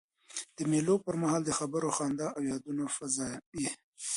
د مېلو پر مهال د خبرو، خندا او یادونو فضا يي.